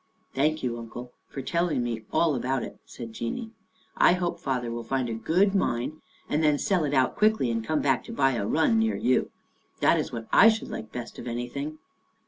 " Thank you, Uncle, for telling me all about It," said Jeanie. " I hope father will find a good 52 Our Little Australian Cousin mine and then sell it out quickly and come back to buy a run near you. That is what I should like best of anything."